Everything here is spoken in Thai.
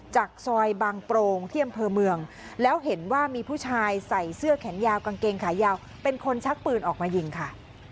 จากซอยบางโปรงที่อำเภอเมืองแล้วเห็นว่ามีผู้ชายใส่เสื้อแขนยาวกางเกงขายาวเป็นคนชักปืนออกมายิงค่ะ